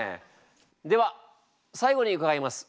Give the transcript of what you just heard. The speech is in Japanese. では最後に伺います。